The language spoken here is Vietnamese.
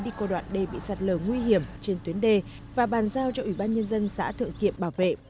đi cô đoạn đề bị sạt lở nguy hiểm trên tuyến đề và bàn giao cho ubnd xã thượng kiệm bảo vệ